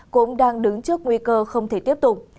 cũng đang đứng trước nguy cơ không thể tiếp tục